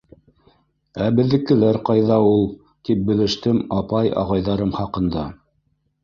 — Ә беҙҙекеләр ҡайҙа ул? — тип белештем апай-ағайҙарым хаҡында.